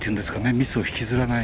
ミスを引きずらない。